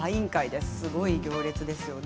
すごい行列ですよね。